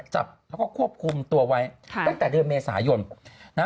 จับแล้วก็ควบคุมตัวไว้ตั้งแต่เดือนเมษายนนะฮะ